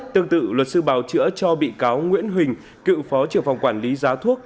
tương tự luật sư bào chữa cho bị cáo nguyễn huỳnh cựu phó trưởng phòng quản lý giá thuốc